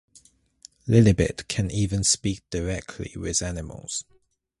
Lillibit can even speak directly with animals.